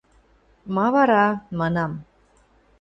– Ма вара? – манам.